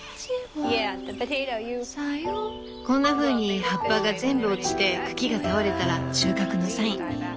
こんなふうに葉っぱが全部落ちて茎が倒れたら収穫のサイン。